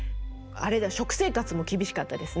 食生活も厳しかったですね。